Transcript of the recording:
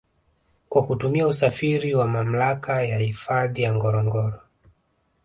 Kwa kutumia usafiri wa mamlaka ya hifadhi ya ngorongoro